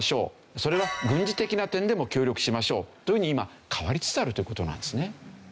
それは軍事的な点でも協力しましょうというふうに今変わりつつあるという事なんですね。